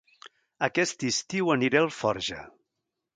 Aquest estiu aniré a Alforja